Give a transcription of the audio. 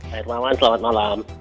hermawan selamat malam